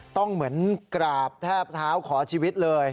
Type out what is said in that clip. เหมือนกราบแทบเท้าขอชีวิตเลย